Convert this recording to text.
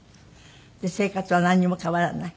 生活はなんにも変わらない？